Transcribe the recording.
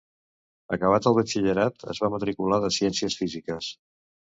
Acabat el batxillerat, es va matricular de Ciències Físiques.